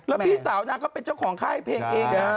แล้วพี่สาวนางก็เป็นเจ้าของค่ายเพลงเอง